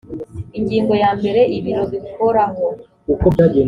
ingingo ya mbere ibiro bihoraho